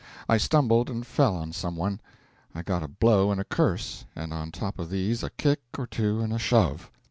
I stumbled and fell on some one. I got a blow and a curse; and on top of these a kick or two and a shove.